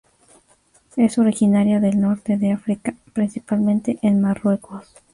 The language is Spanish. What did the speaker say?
Es originaria del Norte de África, principalmente en Marruecos.